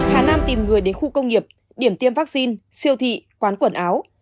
hà nam tìm người đến khu công nghiệp điểm tiêm vaccine siêu thị quán quần áo